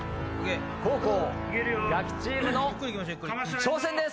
後攻ガキチームの挑戦です！